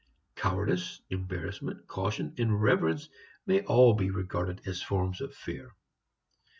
Cowardice, embarrassment, caution and reverence may all be regarded as forms of fear.